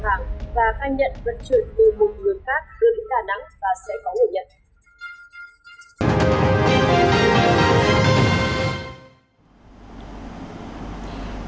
và khai nhận vận chuyển từ một người khác đưa đến đà nẵng và sẽ có ngủ nhận